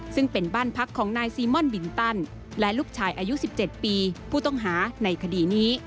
ซึ่งเป็นบ้านพักของนายซีม่อนบินตันและลูกชายอายุ๑๗ปีผู้ต้องหาในคดีนี้